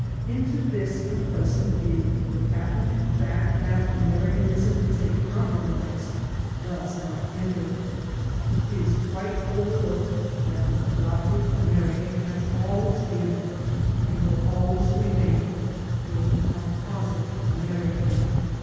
Into this complacent view the patent fact that Americanism is a compromise does not enter. It is 187 AN AMERICAN IN THE MAKING quite overlooked that the adoptive American has always been and wiU always remain a composite American.